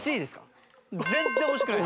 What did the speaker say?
全然惜しくない。